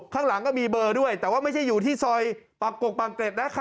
ข้างหลังก็มีเบอร์ด้วยแต่ว่าไม่ใช่อยู่ที่ซอยปากกกปากเกร็ดนะคะ